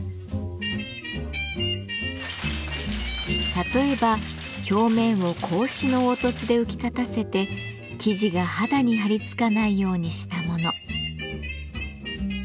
例えば表面を格子の凹凸で浮き立たせて生地が肌にはりつかないようにしたもの。